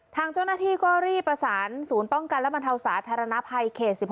ทางเจ้าหน้าที่ก็รีบประสานศูนย์ป้องกันและบรรเทาสาธารณภัยเขต๑๖